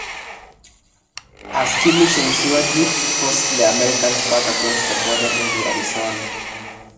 A skirmish ensued which forced the Americans back across the border into Arizona.